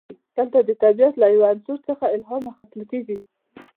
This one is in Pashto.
دلته د طبیعت له یو عنصر څخه الهام اخیستل کیږي.